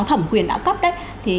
thẩm quyền đã cấp đấy